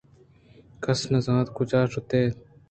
کس نہ زانت کجا شت اَنت